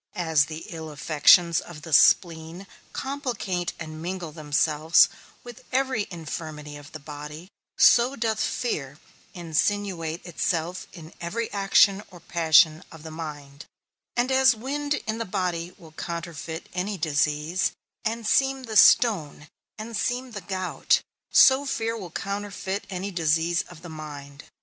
As the ill affections of the spleen complicate and mingle themselves with every infirmity of the body, so doth fear insinuate itself in every action or passion of the mind; and as wind in the body will counterfeit any disease, and seem the stone, and seem the gout, so fear will counterfeit any disease of the mind.